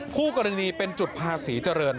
คู่กรณีเป็นจุดภาษีเจริญ